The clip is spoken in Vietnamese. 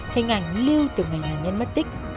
hình ảnh lưu từng hình nạn nhân mất tích